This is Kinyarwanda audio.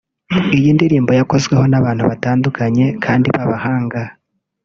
Iyi ndirimbo yakozweho n’abantu batandukanye kandi babahanga